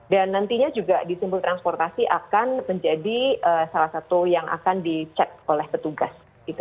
dan nantinya juga di simpul transportasi akan menjadi salah satu yang akan dicek oleh petugas